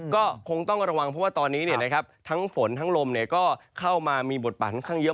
ก็คงต้องระวังเพราะว่าตอนนี้เนี่ยนะครับทั้งฝนทั้งลมเนี่ยก็เข้ามามีบทบาททั้งเยอะ